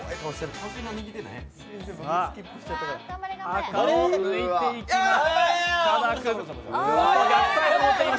赤を抜いていきます。